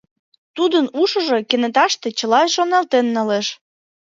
Тудын ушыжо кенеташте чыла шоналтен налеш.